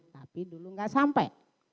tapi dulu enggak sampai